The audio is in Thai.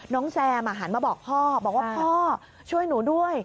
แซมหันมาบอกพ่อบอกว่าพ่อช่วยหนูด้วย